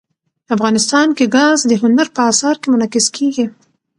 افغانستان کې ګاز د هنر په اثار کې منعکس کېږي.